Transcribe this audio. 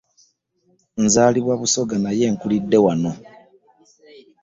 Nzaalibwa Busoga naye nkulidde wano.